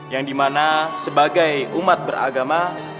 yang dimana sebagai umat beragama